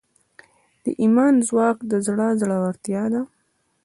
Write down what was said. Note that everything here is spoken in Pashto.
د ایمان ځواک د زړه زړورتیا ده.